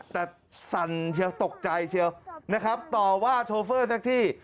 แต่ตกใจเฉียวต่อว่าโชเฟอร์ทักที่